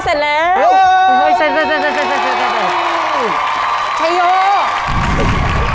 เฮ้ยเสร็จ